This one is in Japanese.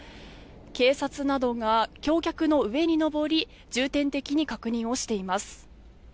警察などが橋脚の上に登り重点的に確認をしています。